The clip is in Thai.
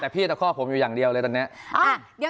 แต่พี่ตะคอกผมอยู่อย่างเดียวเลยตอนนี้